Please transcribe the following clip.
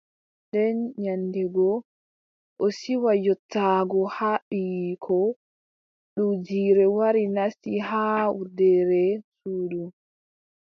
Nden nyande go, o siwa yottaago haa ɓiiyiiko, duujiire wari nasti haa wurdere suudu.